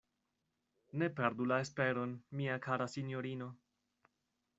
Ne perdu la esperon, mia kara sinjorino!